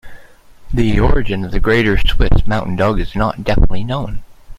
The origin of the Greater Swiss Mountain Dog is not definitively known.